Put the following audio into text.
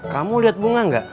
kamu liat bunga nggak